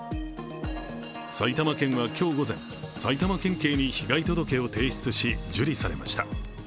埼玉県は今日午前埼玉県警に被害届を提出し受理されました。